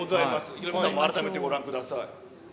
ヒロミさんも改めてごらんください。